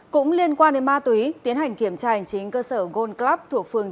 cũng liên quan đến ma túy tiến hành kiểm tra hành chính cơ sở gold club thuộc phường chín